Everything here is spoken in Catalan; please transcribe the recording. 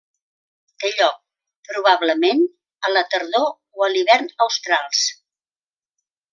Té lloc, probablement, a la tardor o l'hivern australs.